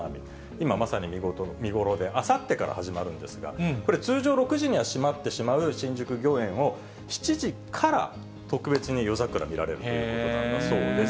今まさに見頃で、あさってから始まるんですが、これ、通常６時には閉まってしまう新宿御苑を、７時から特別に夜桜見られるということなんだそうです。